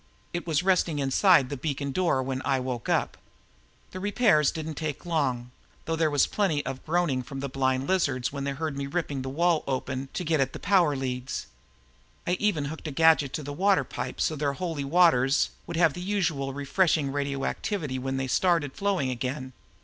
It was resting inside the beacon door when I woke up. The repairs didn't take long, though there was plenty of groaning from the blind lizards when they heard me ripping the wall open to get at the power leads. I even hooked a gadget to the water pipe so their Holy Waters would have the usual refreshing radioactivity when they started flowing again.